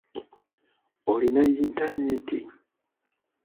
Olina yintanenti?